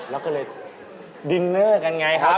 แล้วก็เลยดินเนอร์กันไงครับ